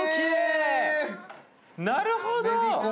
なるほど！